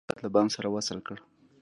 ما د پیرود کارت له بانک سره وصل کړ.